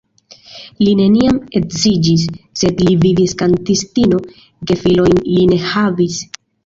Li neniam edziĝis, sed li vivis kantistino, gefilojn li ne havis.